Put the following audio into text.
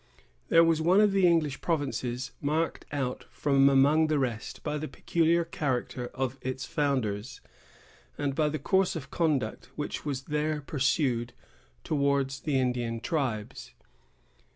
There was one of the English provinces marked out from among the rest by the peculiar character of its founders, and by the course of conduct which was there pursued towards the Indian tribes.